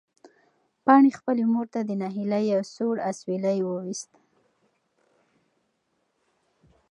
پاڼې خپلې مور ته د ناهیلۍ یو سوړ اسوېلی وویست.